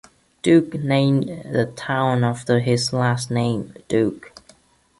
Duke named the town after his last name, Duke.